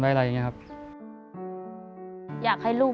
สวัสดีครับน้องเล่จากจังหวัดพิจิตรครับ